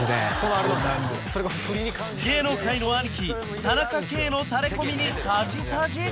芸能界の兄貴田中圭のタレコミにタジタジ！？